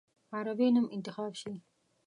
عربي نوم انتخاب شي.